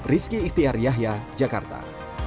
rizky iktiar yahya jakarta